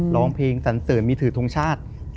ร้องเพลงสันเสริญมีถือทงชาติ